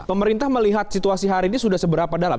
pemerintah melihat situasi hari ini sudah seberapa dalam